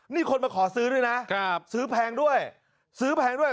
นี่คนมาขอซื้อด้วยนะซื้อแพงด้วยซื้อแพงด้วย